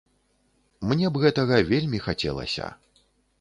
Мне б гэтага вельмі хацелася.